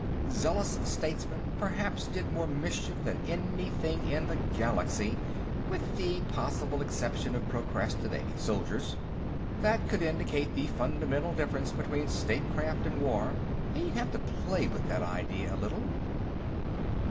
Zealous statesmen perhaps did more mischief than anything in the Galaxy with the possible exception of procrastinating soldiers. That could indicate the fundamental difference between statecraft and war. He'd have to play with that idea a little.